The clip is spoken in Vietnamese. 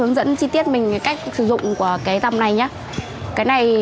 hướng dẫn chi tiết mình về cách sử dụng của cái dòng này nhé